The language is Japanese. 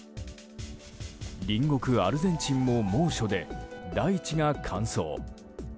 隣国アルゼンチンも猛暑で大地が乾燥。